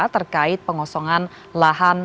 terkait pengosongan lahan